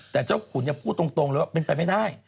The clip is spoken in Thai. แต่เจ้าขุนพูดตรงเลยว่าเป็นไปไม่ได้